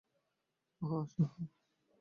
ওহ, আহ।